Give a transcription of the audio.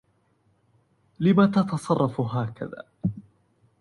لما تتصرف هكذا؟